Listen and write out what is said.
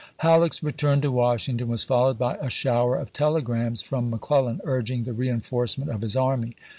Halleck's return to Washington was followed by p se?. " a shower of telegrams from McClellan urging the reenforcement of his army.